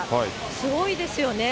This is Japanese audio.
すごいですよね。